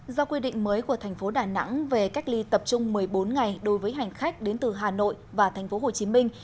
do quy định mới của thành phố đà nẵng về cách ly tập trung một mươi bốn ngày đối với hành khách đến từ hà nội và thành phố hồ chí minh